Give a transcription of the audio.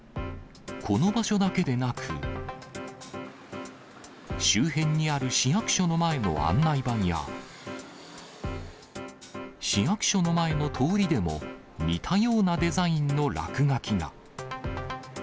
この場所だけでなく、周辺にある市役所の前の案内板や、市役所の前の通りでも、似たようなデザインの落書きが。